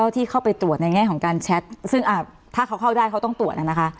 ที่เข้าไปตรวจในแง่ของการแชทซึ่งถ้าเขาเข้าได้เขาต้องตรวจนะคะ